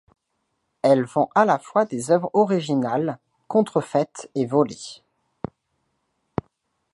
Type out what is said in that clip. Elle vend à la fois des œuvres originales contrefaites et volées.